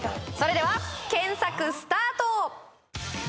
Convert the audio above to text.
それでは検索スタート